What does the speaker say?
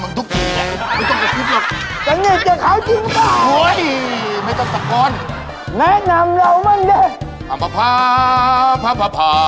ไอซพเยอะไร